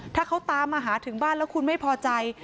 ถ้าเขาตามมาหาถึงบ้านแล้วคุณไม่พอใจ